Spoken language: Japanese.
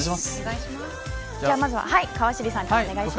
まずは川尻さんからお願いします。